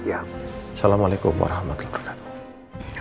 assalamualaikum warahmatullahi wabarakatuh